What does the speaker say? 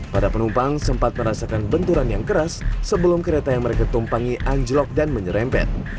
para penumpang sempat merasakan benturan yang keras sebelum kereta yang mereka tumpangi anjlok dan menyerempet